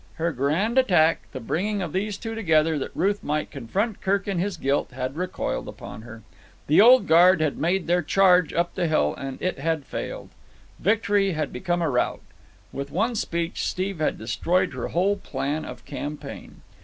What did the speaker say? Her grand attack, the bringing of these two together that Ruth might confront Kirk in his guilt, had recoiled upon her. The Old Guard had made their charge up the hill, and it had failed. Victory had become a rout. With one speech Steve had destroyed her whole plan of campaign.